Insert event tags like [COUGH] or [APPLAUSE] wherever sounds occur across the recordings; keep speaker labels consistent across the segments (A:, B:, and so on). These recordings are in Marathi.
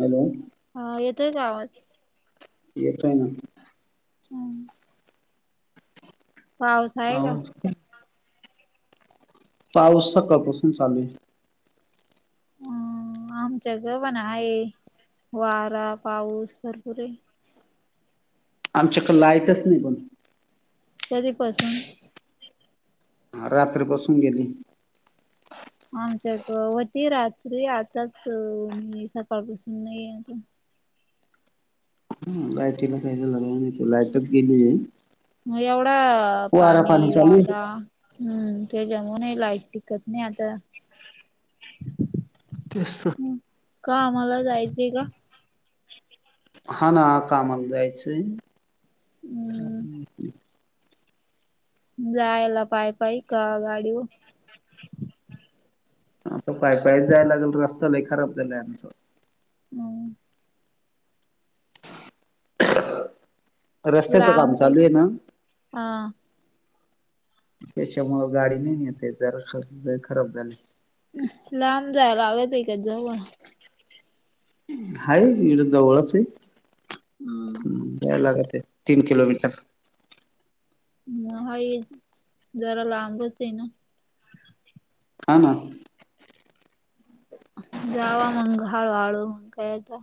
A: हॅलो.
B: हा येतोय का आवाज.
A: येतोय ना.
B: हम. पाऊस आहे का?
A: ह पाऊस सकाळपासून चालूय.
B: ह आमच्या गवण आहे वारा पाऊस भरपूर आहे.
A: आमच्याकड लाईटच नाही पण.
B: कधीपासून.
A: अ रात्री पासून गेलीय.
B: आमच्याक वती रात्री आताच सकाळपासून नाही आहेता.
A: लाईटीला काय झालं [UNINTELLIGIBLE] नाही लाईटच गेलीय.
B: मग एवढा पाणी.
A: चालू आहे
B: [UNINTELLIGIBLE] हम्म त्याच्यामुळेून लाईट टिकत नाही आता.
A: तेच त.
B: कामाला जायचंय का?
A: हा ना आता आम्हाला जायचंय.
B: हम्म जायला पाय पाय का गाडीव.
A: आता पाय पाय जायला लागेल रस्तलाय खराब झालाय आमच.
B: हम.
A: [INAUDIBLE] रस्त्याचं काम
B: लांब
A: चालू आहे ना
B: हा.
A: त्याच्यामुळं गाडी नाही नेता येते [UNINTELLIGIBLE] तर लय खराब झाले.
B: लांब जाय लागते का जवळ.
A: हाइ जवळचय
B: हम्म.
A: जाय लागतय. तीन किलोमीटर.
B: मग आहे जरा लांबच आहे ना.
A: हां ना.
B: जावा मंग हाळू हाळू मग काय आता.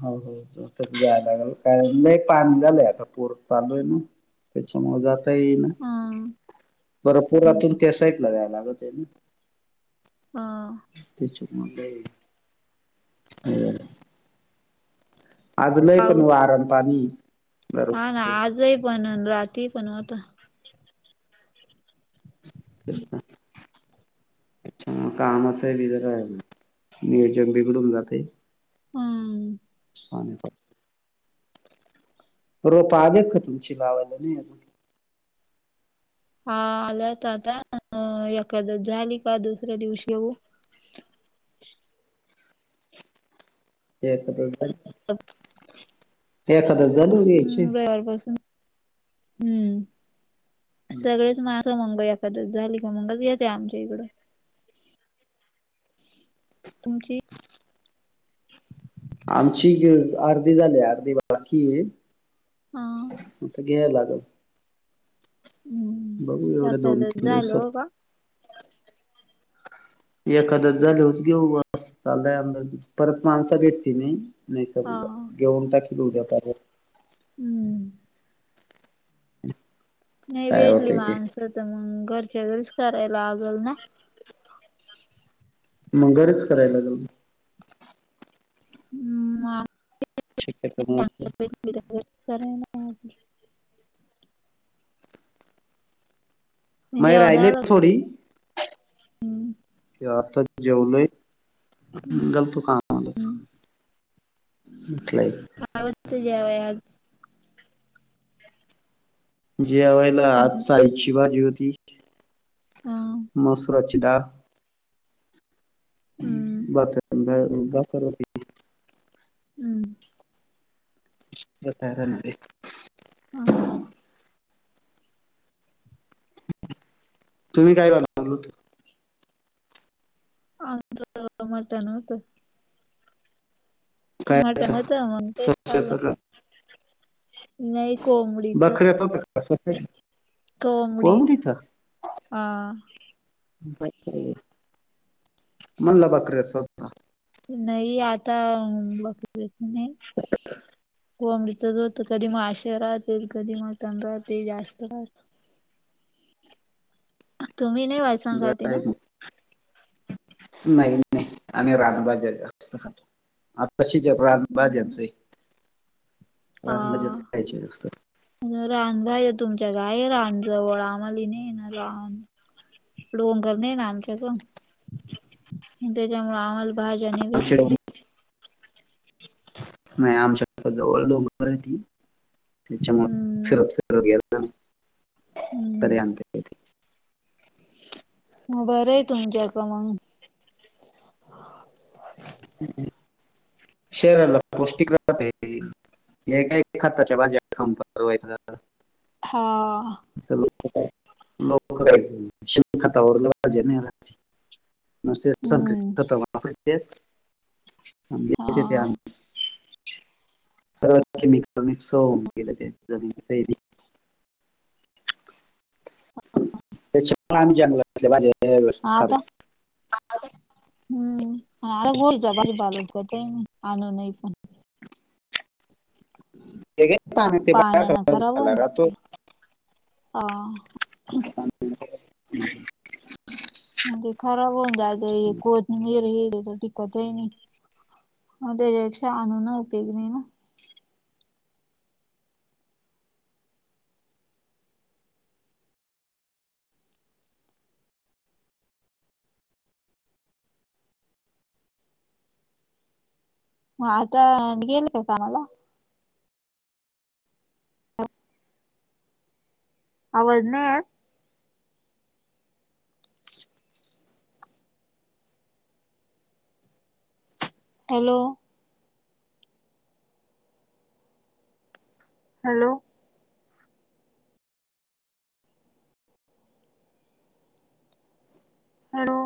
A: हो होच जायला लागल कार नाही पान झालंय आता पूर चालू आहे ना. त्याच्यामूळ जाता येई ना
B: हं
A: बर पुरातून त्या साईडला जाय लागत आहे ना.
B: ह.
A: तेचक म्ह आज लय पण
B: पाऊस
A: वारा अन पाणी दररोज
B: हा ना आजही पण न राती पनवत
A: ख अच्छा मग कामाच बी जरा आहे ना नियोजन बिघडून जातय.
B: हं
A: पानी प रोपा आले का तुमची लावायला नाही अजून
B: हा आल्या तर आता एखाद्या झाली का दुसऱ्या दिवशी घेऊ.
A: ते
B: ह
A: एक सदस्य
B: हम्म रविवारपासून हम्म सगळेच मा मंग एखाद्या झाली का मंगच घेते आमच्या इकडं तुमची
A: आमची अर्धी झाली अर्धी बाकीय
B: हा
A: आता गे लागल.
B: हम्म
A: बघू एवढ्या दोन
B: सकलच
A: तीन
B: झालं
A: दिवसात
B: हो का
A: एखादंच झालच घेऊ बस चालयंदा परत माणसा भेटती नाही. नाही तर
B: हा
A: म घेऊन टाकी ल उद्या
B: हम्म
A: हम
B: नाही भेटली माणसं तर मग घरच्या घरीच करायला लागल ना.
A: मगरच करायला लागल. शक्यतो
B: ह्
A: माई राहिलीत
B: झालं
A: थोडी आता जेवलोय. गलतू कालास लाईक
B: काय होत ज्याव आज
A: जेवयेला आज
B: हम्म
A: साईची बाजी होती
B: हा
A: मसराची डाळ
B: हम्म
A: ब ब
B: हम्म
A: बाय स
B: ह
A: तुमही काय चाल होत
B: आच मटन होत मटन
A: खायचं
B: होत मग तेच
A: सश्याचा
B: खालं.
A: का
B: नाही को मु
A: बखर्या च होत का
B: कोंबडी
A: कोंबडीचं.
B: हा
A: मणला बकऱ्याच होत.
B: नाही आता बघ नाही.
A: हो
B: कोंबडीचच होत कधी मासेे राहतील कधी मटण राहतील जास्त तुम्ही नाही वाच
A: [UNINTELLIGIBLE] नाही नाही. आम्ही रानभाज्या जास्त खातो. तसे ते भाज्यांचे रानभाज्याच खायचे असतात.
B: रानभाज्या तुमच्यात आहे जवळ. आम्हाला नाही ना रान. डोंगर नाही ना आमच्याकडं त्याच्यामुळ आम्हाला भाज्या नाही
A: आमच्या
B: भेटती
A: नाही आमच्या जवळ डोंगर आहे ती. त्याच्यामुळ
B: हम्म
A: फिरत फिरत गेलतो ना तरी
B: हम्म
A: आणतात.
B: म बरंय तुमच्याकडं मंग.
A: शरीराला पौष्टिक राहतते ते. हे काय खताच्या भाज्या खाऊन वैताग आला.
B: हा.
A: ते लोक काय शेणखतावरले भाज्यांनी आणती नुसते संकरित
B: हम्म
A: खत वापरतेत. आणि देते ती
B: हा
A: आणून. सगळं केमिकल मिक्स होऊन गेलं जमिनीत
B: हा [UNINTELLIGIBLE]
A: त्याच्यामुळे आम्ही जंगलातल्या भाज्या दरवेळेस खातोय.
B: आता हम्म [UNINTELLIGIBLE] आणुनय पण.
A: ते काय
B: या
A: पाण्यात ते
B: पाण्याने खराब होऊन
A: बाहेर राहतो
B: जाईल की, हम्म.
A: [INAUDIBLE]
B: म ते खराब होऊन जायच एको कोथिंबीर मीर हेल तर टिकत आहे नाही. मग त्याच्यापेक्षा आणून उपयोग नही ना! मग आता गेली का कामाला? आवज नाही येत? हॅलो. हॅलो. हॅलो.